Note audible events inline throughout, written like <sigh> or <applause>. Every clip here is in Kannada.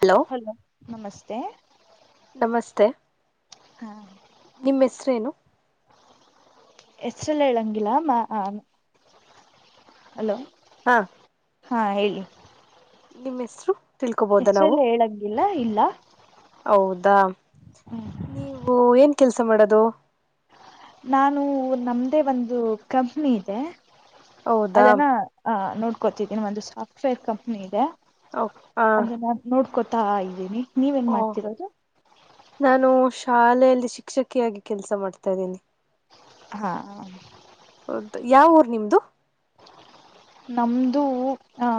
ಹಲೋ ಹಲೋ ನಮಸ್ತೆ. ನಮಸ್ತೆ ಹಾ ನಿಮ್ಮ ಹೆಸರೇನು. ಹೆಸರು ಹೇಳಂಗಿಲ್ಲ. ಹಲೋ ಹಾ ಹಾ ಹೇಳಿ. ನಿಮ್ಮ ಹೆಸರು. ತಿಳ್ಕೊಬೋದಾ ನಾವು ಹೆಸರೆಲ್ಲ ಹೇಳಂಗಿಲ್ಲ ಇಲ್ಲ. ಹೌದಾ ನೀವು ಏನ್ ಕೆಲ್ಸ ಮಾಡೋದು. ನಾನು ನಮ್ದೇ ಒಂದು ಕಂಪ್ನಿ ಇದೆ ಹೌದಾ ಅದನ್ನ. ಹ ನೋಡ್ಕೋತಿದ್ದೀನ ಒಂದು ಸಾಫ್ಟ್ವೇರ್ ಕಂಪ್ನಿ ಇದೆ ಹ ಅದ. ನೋಡ್ಕೋತಾ ಇದ್ದೀನಿ ನೀವ ಏನ್ ಮಾಡ್ತಿರೋದು. ನಾನು ಶಾಲೆಯಲ್ಲಿ ಶಿಕ್ಷಕಿಯಾಗಿ ಕೆಲ್ಸ ಮಾಡ್ತಾದೀನಿ. ಹಾ ಹೌದು ಯಾವ ಊರ್ ನಿಮ್ದು. ನಮ್ದು ಹಾ.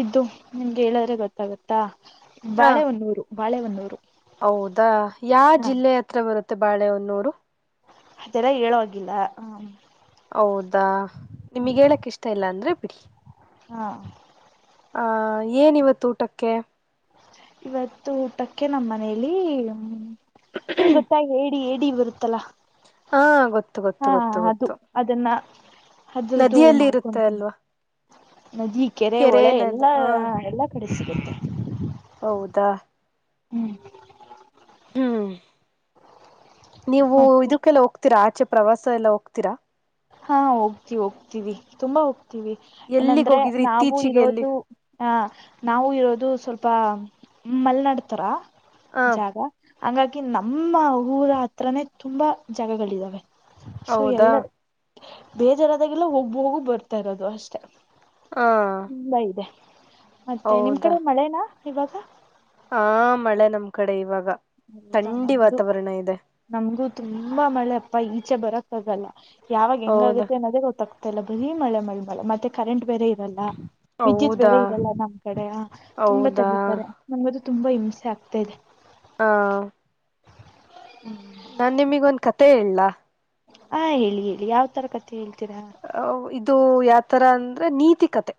ಇದ್ದು ನಿಮ್ಗೆ ಹೇಳಿದ್ರೆ ಗೊತ್ತಾಗತ್ತಾ ಹ ಬಾಳೆ ಹೊನ್ನೂರು ಬಾಳೆಹೊನ್ನೂರು. ಹೌದಾ ಯಾವ ಹ ಜಿಲ್ಲೆ ಹತ್ರ ಬರುತ್ತೆ ಬಾಳೆಹನ್ನೂರು. ಅದೆಲ್ಲ ಹೇಳುವಾಗಿಲ್ಲ. ಹೌದಾ ನಿಮಗ್ ಹೇಳಕ್ ಇಷ್ಟ ಇಲ್ಲ ಅಂದ್ರೆ ಬಿಡ್. ಹಾ ಆ ಏನ್ ಇವತ್ತು ಊಟಕ್ಕೆ. ಇವತ್ತು ಊಟಕ್ಕೆ ನಮ್ಮ ಮನೇಲಿ ನಿಮ್ ಗೊತ್ತ. ಏಡಿ ಬರುತ್ತಲ್ಲ ಹಾ ಗೊತ್ತು ಗೊತ್ತು ಹ ಗೊತ್ತು ಅದು ಗೊತ್ತು ಅದನ್ನ. ಅದ್ರುದು ನದಿಯಲ್ಲಿ ಇರುತ್ತೆ ಮಾಡ್ಕೊತೀ ಅಲ್ವಾ ನದಿ ಕೆರೆ ಹೊಳೆ ನದ ಎಲ್ಲಾ ಹ ಎಲ್ಲ. ಕಡೆ ಸಿಗುತ್ತೆ. ಹೌದಾ ಹ್ಮ್ ಹ್ಮ್ ನೀವು ಮತ್ತೆ ಇದಕ್ಕೆಲ್ಲ ಹೋಗ್ತೀರಾ ಆಚೆ ಪ್ರವಾಸ ಎಲ್ಲ ಹೋಗ್ತೀರಾ. ಹಾ ಹೋಗ್ತಿ ಹೋಗ್ತೀವಿ ತುಂಬಾ ಹೋಗ್ತೀವಿ ಎಲ್ಲಿಗ್ ಏನಂದ್ರೆ ಹೋಗಿದ್ರಿ ನಾವು ಇತ್ತೀಚಿಗೆ ಎಲ್ಲಿ ಇರೋದು. ಹ ನಾವು ಇರೋದು ಸ್ವಲ್ಪ ಮಲ್ನಾಡ್ತರ ಹ ಜಾಗ. ಹಂಗಾಗಿ ನಮ್ಮ ಊರ ಹತ್ರಾನೇ ತುಂಬಾ ಜಾಗಗಳಿದಾವೆ ಸೊ ಹೌದಾ ಎಲ್ಲ. ಬೇಜಾರದಾಗೆಲ್ಲ ಹೋಗ ಹೋಗು ಬರ್ತಾ ಇರೋದು ಅಷ್ಟೆ. ಹಾ ತುಂಬಾ ಇದೆ ಮತ್ತೆ ನಿಮ್ ಕಡೆ ಮಳೆನಾ ಇವಾಗ. ಹ ಮಳೆ ನಮ್ ಕಡೆ ಇವಾಗ ಥಂಡಿ ವಾತಾವರಣ ಇದೆ. ನಮ್ಗು ತುಂಬಾ ಮಳೆ ಅಪ್ಪ ಈಚೆ ಬರಕ್ಕ ಆಗಲ್ಲ ಯಾವಾಗ ಹೆಂಗ ಹೌದಾ ಆಗುತ್ತೆ ಅನ್ನೋದ್ರ ಗೊತ್ತಕ್ತ. ಮತ್ತೆಲ್ಲ ಬರೀ ಮಳೆ ಮಳೆ ಮಳೆ ಮತ್ತೆ ಕರೆಂಟ್ ಬೇರೆ ಇರಲ್ಲ. ವಿದ್ಯುತ್ ಹೌದಾ ಬೆರೆಇರಲ್ಲ ನಮ್ ಕಡೆ ತುಂಬಾ ಹೌದಾ ತಗಿತಾರೆ ನಮಗದು ತುಂಬಾ ಹಿಂಸೆ ಆಗ್ತಾ ಇದೆ. ಹಾ, ಹ್ಮ್, ನಾನ್ ನಿಮಗ ಒಂದ ಕತೆ ಹೇಳ್ಲಾ ಹಾ ಹೇಳಿ ಹೇಳಿ ಯಾವ್ ತರ ಕತೆ ಹೇಳ್ತೀರಾ ಇದು ಯಾವತರ ಅಂದ್ರೆ ನೀತಿಕತೆ.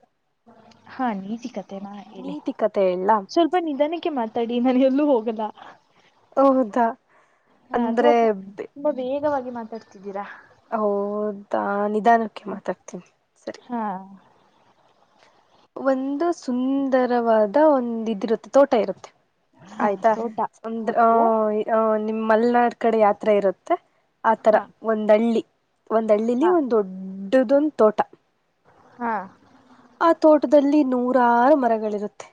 ಹಾ, ನೀತಿ ಕತೆೆನ ಹೇಳಿ ನೀತಿ ಕತೆ ಹೇಳಲಾ ಸ್ವಲ್ಪ ಸ್ವಲ್ಪ ನಿಧಾನಕ್ಕೆ ಮಾತಾಡಿ ನಾನ್ ಎಲ್ಲೂ ಹೋಗಲ್ಲ. ಹೌದಾ, ಹಾ, ಅಂದ್ರೆ ತುಂಬಾ ವೇಗವಾಗಿ ಮಾತಾಡ್ತಿದ್ದೀರಾ ಹೌದಾ, ನಿಧಾನಕ್ಕೆ ಮಾತಾಡ್ತೀನಿ. ಸರಿ ಹಾ, ಒಂದು ಸುಂದರವಾದ ಒಂದ ಇದಿರುತ್ತೆ ತೋಟ ಇರುತ್ತೆ. ಹಾ ಆಯ್ತಾ, ತೋಟ ಅಂದ್ರ ಓಕೆ ಅಹ ನಿಮ್ ಮಲೆನಾಡ್ ಕಡೆ ಯಾವತರ ಇರುತ್ತೆ ಆತರ. ಹಾ ಒಂದ ಹಳ್ಳಿ, ಒಂದ ಹಳ್ಳಿಲಿ ಹಾ ಒಂದ್ ದೊಡ್ಡದೊಂದು ತೋಟ ಹಾ, ಆ ತೋಟದಲ್ಲಿ ನೂರಾರು ಮರಗಳಿರುತ್ತೆ.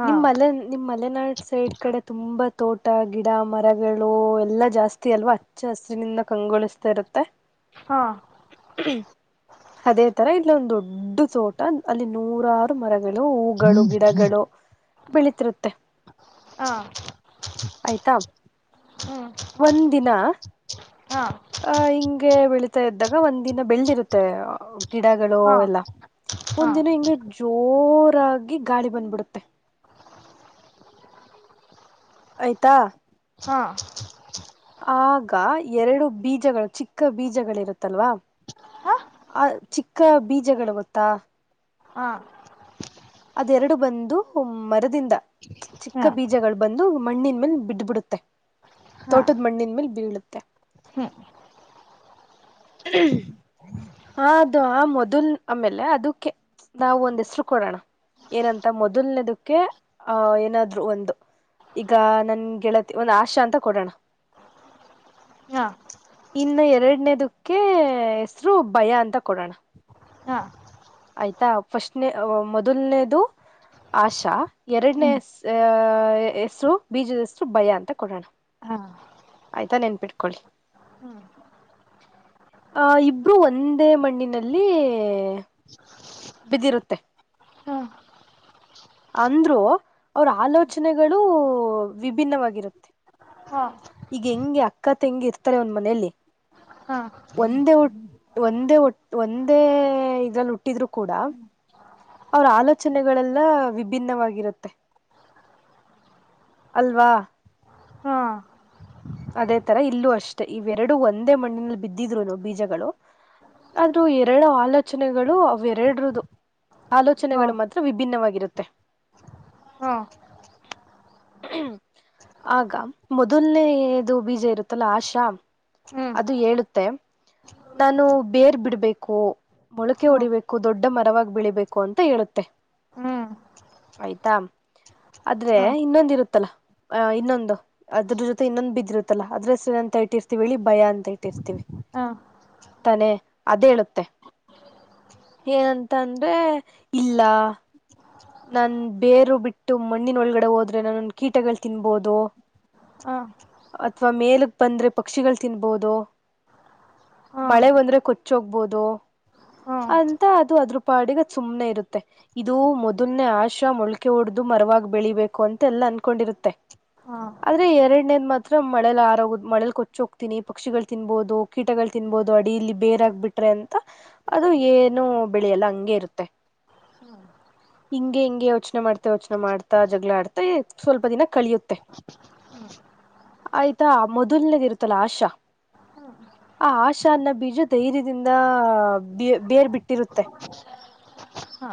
ಹಾ ನಿಮ್ಮಲ್ಲ ನಿಮ್ಮ ಮಲೆನಾಡು ಸೈಡ್ ಕಡೆ ತುಂಬಾ ತೋಟ, ಗಿಡ ಮರಗಳು, ಎಲ್ಲ ಜಾಸ್ತಿ ಅಲ್ವಾ. ಹಚ್ಚ ಹಸಿರಿನಿಂದ ಕಂಗೊಳಿಸ್ತಾ ಇರುತ್ತೆ. ಹಾ, ಅದೇ ತರ ಇಲ್ಲೊಂದು ದೊಡ್ಡ ತೋಟ ಅಲ್ಲಿ ನೂರಾರು ಮರಗಳು, ಹೂಗಳು, ಗಿಡಗಳು. ಬೆಳಿತಿರುತ್ತೆ ಹಾ ಆಯ್ತಾ ಹ್ಮ್, ಒಂದ ದಿನಾ ಹಾ <inaudible> ಹಾ, ಹಿಂಗೆ ಬೆಳಿತಾ ಇದ್ದಾಗ ಒಂದ್ ದಿನ ಬೆಳದಿರುತ್ತೆ. ಗಿಡಗಳು ಹಾ ಎಲ್ಲಾ, ಹಾ ಒಂದಿನ ಹಿಂಗೆ ಜೋರಾಗಿ ಗಾಳಿ ಬಂದ್ಬಿಡುತ್ತೆ. <unintelligible> ಆಯ್ತಾ ಹಾ, ಆಗ ಎರಡು ಬೀಜಗಳು ಚಿಕ್ಕ ಚಿಕ್ಕ ಬೀಜಗಳಿರುತ್ತಲ್ವಾ ಹಾ ಆ ಚಿಕ್ಕ ಬೀಜಗಳು ಗೊತ್ತಾ ಹ್ಮ <inaudible> ಅದೆರಡು ಬಂದು ಮರದಿಂದ ಚಿಕ್ಕ ಹಾ ಬೀಜಗಳು ಬಂದು ಮಣ್ಣಿನ ಮೇಲೆ ಬಿದ್ದ ಬಿದ್ದಬಿಡತ್ತೆ. ತೋಟದ ಮಣ್ಣಿನ ಮೇಲೆ ಬೀಳುತ್ತೆ. ಹ್ಮ <inaudible> ಹ್ಮ <inaudible> ಹಾ, ಅದು ಆ ಮೊದಲ್ ಆಮೇಲೆ ಅದಕ್ಕೆ ನಾವು ಒಂದ್ ಹೆಸರು ಕೊಡೋಣ ಏನಂತ ಮೊದಲ್ನೇದಕ್ಕೆ. ಆ, ಏನಾದ್ರು ಒಂದು ಈಗ ನನ್ ಗೆಳತಿ ಒಂದ್ ಆಶಾ ಅಂತ ಕೊಡೋಣ. ಹಾ <inaudible> ಇನ್ನು ಎರಡನೇದಕ್ಕೆ ಹೆಸರು ಭಯ ಅಂತ ಕೊಡೋಣ. ಹಾ, ಆಯ್ತಾ ಫಸ್ಟ್ನ ಮೊದಲ್ನೇದು ಆಶಾ ಎರಡನೇ ಹ್ಮ್ ಆಹ ಹೆಸರು ಬೀಜದ ಹೆಸರು ಸ್ಪಪ ಭಯಾ ಅಂತ ಕೊಡೋಣ ಹಾ ಆಯ್ತಾ ನೆನ್ಪಿಟ್ಕೊಳ್ಳಿ ಹ್ಮ್ ಆಹ ಇಬ್ರು ಒಂದೇ ಮಣ್ಣಿನಲ್ಲಿ ಬಿದಿರುತ್ತೆ ಹಾ ಅಂದ್ರು ಅವ್ರ ಆಲೋಚನೆಗಳು ವಿಭಿನ್ನವಾಗಿರುತ್ತೆ ಹಾ ಈಗ ಹೆಂಗೆ ಅಕ್ಕ ತಂಗಿ ಇರ್ತರೆ ಒಂದ್ ಮನೆಯಲ್ಲಿ ಹಾ <inaudible> ಒಂದೇ ಹೊ ಒಂದೇ ಒ ಒಂದೇ ಇದ್ರಲ್ಲಿ ಹುಟ್ಟಿದ್ರು ಕೂಡ <inaudible> ಅವರ ಆಲೋಚನೆಗಳೆಲ್ಲ ವಿಭಿನ್ನವಾಗಿರುತ್ತೆ ಅಲ್ವಾ <inaudible> ಹಾ ಅದೇ ತರ ಇಲ್ಲೂ ಅಷ್ಟೇ ಇವೆರಡು ಒಂದೇ ಮಣ್ಣಿನಲ್ಲಿ ಬಿದ್ದಿದ್ರು ಬೀಜಗಳು <inaudible> ಅದು ಎರಡ ಆಲೋಚನೆಗಳು ಅವ ಎರಡರದು ಆಲೋಚನೆಗಳ ಮತ್ತೆ ವಿಭಿನ್ನವಾಗಿರುತ್ತೆ <inaudible> ಹಾ ಹ್ಮ <inaudible> ಆಗ ಮೊದಲ್ನೇ ಇದು ಬೀಜ ಇರುತ್ತಲ್ಲ ಆಷಾ ಹ್ಮ್ ಅದು ಹೇಳುತ್ತೆ ನಾನು ಬೇರ್ ಬಿಡ್ಬೇಕು ಮೊಳಕೆ ಹಾ ಹೊಡಿಬೇಕು ದೊಡ್ಡ ಮರವಾಗಿ ಬೆಳಿಬೇಕು ಅಂತ ಹೇಳುತ್ತೆ ಹ್ಮ್ <inaudible> ಆಯ್ತಾ ಆದ್ರೆ ಹಾ ಇನ್ನೊಂದ ಇರುತ್ತಲ್ಲ ಅ ಇನ್ನೊಂದು ಅದ್ರ ಜೊತೆ ಇನ್ನೊಂದು ಬಿದ್ದ ಇರುತ್ತಲ್ಲ ಅದ್ರ ಹೆಸರ್ ಅಂತ ಇಟ್ಟಿರ್ತೀವಿ ಭಯ ಅಂತ ಇಟ್ಟಿರ್ತೀವಿ ಹಾ ತಾನೆ ಅದೆ ಹೇಳುತ್ತೆ ಏನಂತ ಅಂದ್ರೆ ಇಲ್ಲ ನಾನ್ ಬೇರು ಬಿಟ್ಟು ಮಣ್ಣಿನ ಒಳಗಡೆ ಹೋದ್ರೆ ನನ್ನನ್ನ ಕೀಟಗಳು ತಿನ್ಬೋದು ಹಾ ಅಥವಾ ಮೇಲಕ್ಕ ಬಂದ್ರೆ ಪಕ್ಷಿಗಳು ತಿನ್ಬೋದು ಹಾ ಮಳೆ ಬಂದ್ರೆ ಕೊಚ್ಚ ಹೊಗ್ಬೋದು ಹಾ ಅಂತಾ ಅದು ಅದ್ರ ಪಾಡಿಗೆಅದ ಸುಮ್ನೆ ಇರುತ್ತೆ ಇದು ಮೊದ ಮೊನ್ನೆ ಆಶಾ ಮೊಳ್ಕೆ ಹೊಡ್ದು ಮರವಾಗಿ ಬೆಳಿಬೇಕು ಅಂತ ಎಲ್ಲ ಅನ್ಕೊಂಡಿರುತ್ತೆ ಹಾ ಆದ್ರೆ ಎರಡನೇದ ಮಾತ್ರ ಮಳೇಲಿ ಆರೋಗ ಮಳೇಲ್ ಕೊಚ್ಚ ಹೋಗ್ತೀನಿ ಪಕ್ಷಿಗಳು ತಿನ್ಬಬಹದು ಕೀಟಗಳು ತಿನ್ಬೋದು ಅಡಿಲ್ಲಿ ಬೇರಾಗಬಿಟ್ರೆ ಅಂತ ಅದು ಏನು ಬೆಳೆಯಲ್ಲ ಹಂಗೆ ಇರುತ್ತೆ ಹಾ ಹಿಂಗೆ ಹಿಂಗೆ ಯೋಚನೆ ಮಾಡ್ತಾ ಯೋಚನೆ ಮಾಡ್ತಾ ಜಗಳ ಆಡ್ತಾ ಸ್ವಲ್ಪ ದಿನ ಕಳಿಯುತ್ತೆ. ಆಯ್ತಾ ಮೊದಲ್ನೇದ ಇರ್ತಲ್ಲಾ ಆಶಾ ಹ್ಮ ಆ ಆಶಾ ಅನ್ನ ಬೀಜ ಧೈರ್ಯದಿಂದ ಬೆ ಬೇರ್ ಬಿಟ್ಟಿರುತ್ತೆ ಹಾ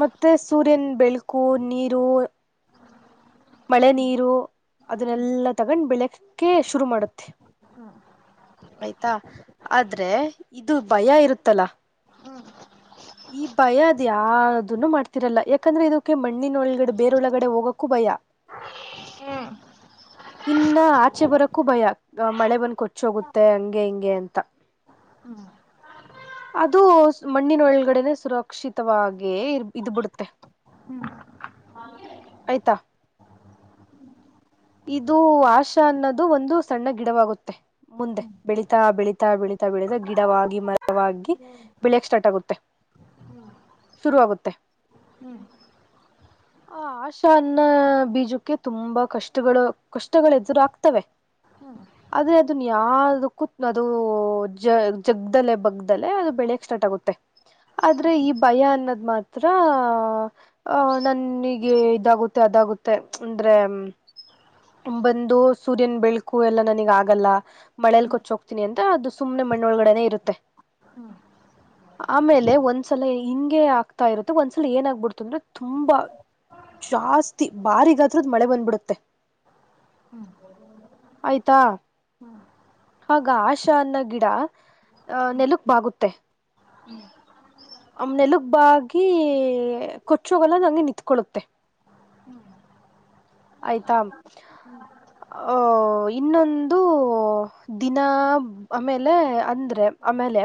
ಮತ್ತೆ ಸೂರ್ಯನ ಬೆಳಕು ನೀರು ಮಳೆ ನೀರು ಅದನ್ನೆಲ್ಲ ತಗೊಂಡ್ ಬೆಳಕ್ಕೆ ಶುರು ಮಾಡುತ್ತೆ ಆಯ್ತಾ ಆದ್ರೆ ಇದು ಭಯ ಇರುತ್ತಲ್ಲಾ <inaudible> ಈ ಭಯ ಅದ್ಯಾವುದೂನು ಮಾಡ್ತಿರಲ್ಲ ಯಾಕಂದ್ರೆ ಇದಕ್ಕೆ ಮಣ್ಣಿನ ಒಳಗಡೆ ಬೇರೆೊಳಗಡೆ ಹೋಗಕ್ಕೂ ಭಯ. ಹ್ಮ ಇನ್ನ ಆಚೆ ಬರಕ್ಕೂ ಭಯ ಮಳೆ ಬಂದ್ ಕೊಚ್ಚೋಗುತ್ತೆ ಹಂಗೆ ಹಿಂಗೆ ಅಂತ. ಹ್ಮ <inaudible> ಅದು ಮಣ್ಣಿನ ಒಳಗಡೆನೆ ಸುರಕ್ಷಿತವಾಗಿ ಇದ್ ಬಿಡುತ್ತೆ. ಹ್ಮ್ ಆಯ್ತಾ ಇದು ಆಶಾ ಅನ್ನೋದು ಒಂದು ಸಣ್ಣ ಗಿಡವಾಗುತ್ತೆ. ಮುಂದೆ ಬೆಳೀತಾ ಬೆಳೀತಾ ಬೆಳೀತಾ ಬೆಳೀತಾ ಗಿಡವಾಗಿ ಮರ ಬೆಳೆಯಕ್ ಸ್ಟಾರ್ಟ್ ಆಗುತ್ತೆ ಶುರುವರುವಾಗುತ್ತೆ. ಹ್ಮ್ ಆ ಆಶಾ ಅನ್ನ ಬೀಜಕ್ಕೆ ತುಂಬಾ ಕಷ್ಟ. ಕಷ್ಟಗಳು ಕಷ್ಟಗಳು ಎದುರು ಆಗ್ತವೆ. ಹಾ. ಆದ್ರೆ ಅದನ್ ಯಾದಕ್ಕು ಅದು ಜ ಜಗ್ದಲೆ ಲೆೇ ಬಗ್ದಲೆ ಅದು ಬೆಳೆಯಕ್ ಸ್ಟಾರ್ಟ್ ಆಗುತ್ತೆ. ಆದ್ರೆ ಈ ಭಯ ಅನ್ನದ್ ಮಾತ್ರ. ಅಹ ನನಗೆ ಇದಾಗುತ್ತೆ ಅದಾಗುತ್ತೆ ಅಂದ್ರೆ. ಬಂದು ಸೂರ್ಯನ ಬೆಳಕ್ಕು ಎಲ್ಲಾ ನನಗ್ ಆಗಲ್ಲ. ಮಳೇಲಿ ಕೊಚ್ಚ ಹೋಗ್ತನಿ ಅಂತ ಅದು ಸುಮ್ನೆ ಮಣ್ಣೊಳಗಡೆನೆ ಇರುತ್ತೆ. ಹ್ಮ <inaudible> ಆಮೇಲೆ ಒಂದ್ಸಲ ಹಿಂಗೆ ಆಗ್ತಾ ಇರುತ್ತೆ ಒಂದ್ಸಲ ಏನ್ ಆಗ್ಬಿಡ್ತ ಅಂದ್ರೆ ತುಂಬಾ. ಜಾಸ್ತಿ ಬಾರಿಗತ್ರದ್ ಮಳೆ ಬಂದ್ಬಿಡುತ್ತೆ. ಹ್ಮ್ ಆಯ್ತಾ. ಹಾಗ ಆಶಾ ಅನ್ನಗಿಡ ನೆಲುಕೆಬಾಗುತ್ತೆ. ಹ್ಮ್ ಅದು ನೆಲಗ್ಬಾಗಿ ಕೊಚ್ಚೋಗಲ್ಲ ಹಂಗೆ ನಿತ್ಕೊಳ್ಳುತ್ತೆ. ಹ್ಮ್ ಆಯ್ತಾ ಹ. ಇನ್ನೊಂದು ದಿನ ಆಮೇಲೆ ಅಂದ್ರೆ ಆಮೇಲೆ.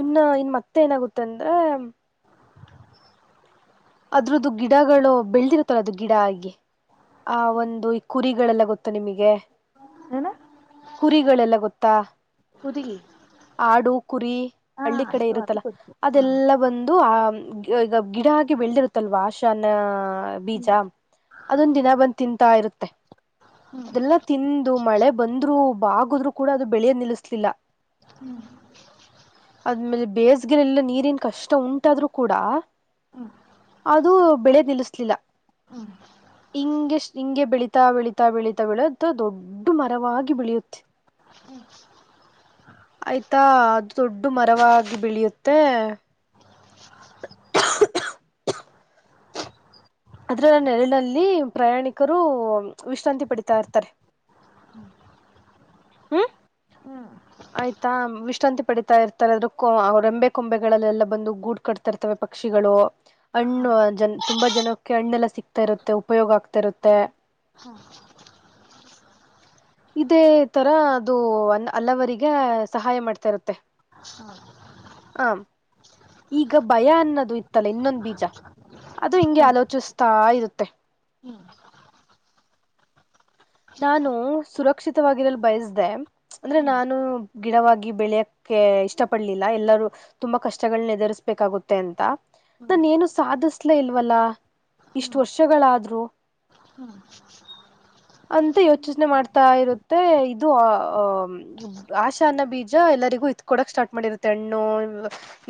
ಇನ್ನ ಇನ್ ಮತ್ತೆ ಏನಾಗುತ್ತ ಅಂದ್ರೆ. ಅದ್ರದ್ದು ಗಿಡಗಳು ಬೆಳೆದಿರುತ್ತಲ್ಲ ಅದು ಗಿಡಹಾಗಿ. ಆ ಒಂದು ಈ ಕುರಿಗಳೆಲ್ಲ ಗೊತ್ತ ನಿಮಗೆ. ಏನ ಕುರಿಗಳೆಲ್ಲ ಗೊತ್ತಾ. ಹುದುಗಿ ಆಡು ಕುರಿ ಹಾ ಹಳ್ಳಿ ಕಡೆ ಅದು ಅದು ಇರುತ್ತಲ್ಲ. ಗೊತ್ತು ಹಾ ಇದೆಲ್ಲ ಬಂದು ಆ ಈಗ ಗಿಡ. ಬೆಳ್ಳಿರುತ್ತಲ್ವಾ ಆಶಾ ಅನ್ನೋ ಬೀಜ ಅದೊಂದು ದಿನ ಬಂದ್ ತಿಂತಾಯಿರುತ್ತೆ. ಅದೆಲ್ಲಾ ತಿಂದು ಮಳೆ ಬಂದ್ರು ಬಾಗುದ್ರು ಕೂಡ ಅದು ಬೆಳೆಯ ನಿಲ್ಲಿಸಲಿಲ್ಲ. ಹ್ಮ್ ಅದ್ಮೇಲೆ ಬೇಸಗೆರೆಲ್ಲ ನೀರಿನ ಕಷ್ಟ ಉಂಟಾದ್ರು ಕೂಡ. ಅದು ಬೆಳೆನಿಲ್ಲಿಸಲಿಲ್ಲ. ಹ್ಮ್ ಹಿಂಗೆ ಹಿಂಗೆ ಬೆಳೀತಾ ಬೆಳೀತಾ ಬೆಳೀತಾ ಬೆಳೆದು ದೊಡ್. ದೊಡ್ಡು ಮರವಾಗಿ ಬೆಳಿಯುತ್ತೆ. ಹ <inaudible> ಆಯ್ತಾ ಅದು ದೊಡ್ಡು ಮರವಾಗಿ ಬೆಳಿಯುತ್ತೆ. ಅದರ ನೆರಳಲ್ಲಿ ಪ್ರಯಾಣಿಕರು ವಿಶ್ರಾಂತಿ ಪಡಿತಾ ಇರ್ತಾರೆ. ಹ್ಮ್ ಹ್ಮ್, ಆಯ್ತಾ ವಿಶ್ರಾಂತಿ ಪಡಿತಾ ಇರ್ತಾರೆದ್ರೂ ಅವು ರೆಂಬೆ ಕೊಂಬೆಗಳಲ್ಲೆಲ್ಲಾ ಬಂದು ಗೂಡ್ ಕಟ್ತಾ ಕಟ್ತಾಇರ್ತವೆ ಪಕ್ಷಿಗಳು. ಹಾ ಹಣ್ಣು ತುಂಬಾ ಜನಕ್ಕೆ ಹಣ್ಣೆಲ್ಲ ಸಿಕ್ತಾ ಇರುತ್ತೆ ಉಪಯೋಗ ಆಗ್ತಾ ಇರುತ್ತೆ. ಹಾ, ಇದೇ ತರ ಅದು ಅ ಹಲ್ಲವರಿಗೆ ಸಹಾಯ ಮಾಡ್ತಾ ಇರುತ್ತೆ. ಹ್ಮ <inaudible> ಆಂ <inaudible> ಈಗ ಭಯ ಅನ್ನೋದು ಇತ್ತಲ್ಲ ಇನ್ನೊಂದು ಬೀಜ ಅದು ಹಿಂಗೆ ಆಲೋಚಿಸ್ತಾ ಇರುತ್ತೆ. ಹ್ಮ್ <inaudible> ನಾನು ಸುರಕ್ಷಿತವಾಗಿರಲು ಬಯಸಿದ್ದೆ. ಅಂದ್ರೆ ನಾನು ಗಿಡವಾಗಿ ಬೆಳೆಯಕ್ಕೆ ಇಷ್ಟ ಪಡ್ಲಿಲ್ಲ ಎಲ್ಲರೂ ತುಂಬಾ ಕಷ್ಟಗಳನ್ನ ಎದುರಿಸ್ಬೇಕಾಗುತ್ತೆ ಅಂತ. ನಾನ ಏನು ಸಾಧಿಸ್ಲೆ ಇಲ್ವಲ್ಲಾ ಇಷ್ಟು ವರ್ಷಗಳಾದ್ರು ಹ್ಮ್ <inaudible> ಅಂತ ಯೋಚನೆ ಮಾಡ್ತಾ ಇರುತ್ತೆ. <unintelligible> ಇದು ಆ ಅಹ ಆಶಾ ಅನ್ನ ಬೀಜ ಎಲ್ಲರಿಗೂ ಇದಕೊಡಕ್ ಸ್ಟಾರ್ಟ್ ಮಾಡಿರುತ್ತೆ. ಹಣ್ಣು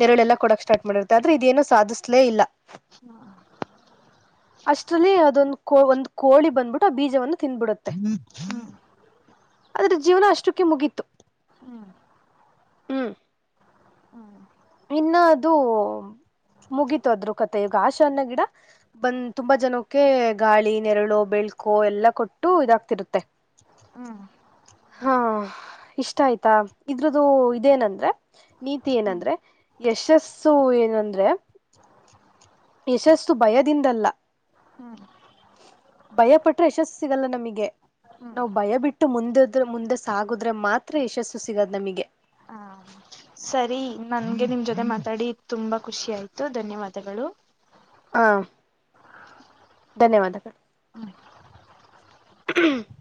ನೆರಳೆಲ್ಲ ಕೊಡಕ್ ಸಾರ್ಟ್ ಮಾಡಿರುತ್ತೆ. ಆದ್ರೆ ಇದೇನು ಸಾಧಿಸ್ಲೇ ಇಲ್ಲಾ ಹಾ <inaudible> ಅಷ್ಟರಲ್ಲಿ ಯಾವುದೋಒಂದು ಕೋಳಿ ಬಂದ್ಬಿಟ್ಟು ಆ ಬೀಜವನ್ನು ತಿನ್ಬಿಡುತ್ತೆ. ಆದ್ರ ಜೀವನ ಅಷ್ಟಕ್ಕೆ ಮುಗೀತ್ತು. ಹ್ಮ್ ಇನ್ನ ಅದು ಮುಗೀತದ್ರು ಕತೆ ಈಗ ಆಶಾನ್ನ ಗಿಡ ಬಂದ್ ತುಂಬಾ ಜನಕ್ಕೆ ಗಾಳಿ ನೆರಳು ಬೆಳ್ಕು ಎಲ್ಲ ಕೊಟ್ಟು ಇದಾಗ್ತಿರುತ್ತೆ. ಹ <inaudible> ಹ್ಮ್, ಹಾ, ಇಷ್ಟ ಆಯ್ತಾ ಇದ್ರದು ಇದೇನಂದ್ರೆ ನೀತಿ ಹ್ಮ್ ಏನಂದ್ರೆ ಯಶಸ್ಸು ಏನಂದ್ರೆ ಯಶಸ್ಸು ಭಯದಿಂದಲ್ಲಾ- ಹ್ಮ್ <inaudible> ಭಯ ಪಟ್ರೆ ಯಶಸ್ಸು ಸಿಗಲ್ಲಾನಮಗೆ ಹ್ಮ್ ನಾವು ಭಯ ಬಿಟ್ಟು ಮುಂದಿದ್ರ ಮುಂದೆ ಸಾಗುದ್ರೆ ಮಾತ್ರ ಯಶಸ್ಸು ಸಿಗದ ನಮಗೆ. ಹಾ, ಸರಿ ನನ್ಗೆ ನಿಮ್ ಜೊತೆ ಮಾತಾಡಿ ತುಂಬಾ ಖುಷಿ ಆಯ್ತು ಧನ್ಯವಾದಗಳು. ಹಾ, ಧನ್ಯವಾದಗಳು. ಹ್ಮ್ <inaudible>